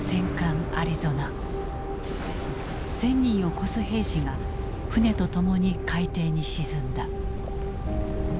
１，０００人を超す兵士が船と共に海底に沈んだ。